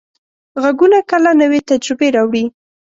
غږونه کله نوې تجربې راوړي.